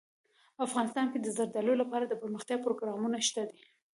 افغانستان کې د زردالو لپاره دپرمختیا پروګرامونه شته دي.